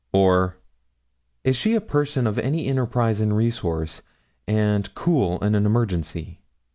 Or, 'Is she a person of any enterprise and resource, and cool in an emergency?'